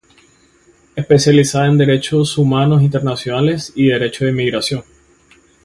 Especializada en derechos humanos internacionales y derecho de inmigración.